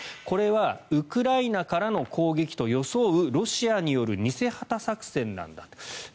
これはウクライナからの攻撃と装うロシアによる偽旗作戦なんだと。